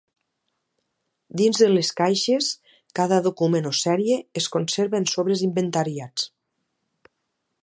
Dins de les caixes cada document o sèrie es conserva en sobres inventariats.